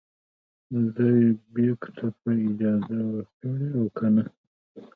دې بیک ته به اجازه ورکړي او کنه.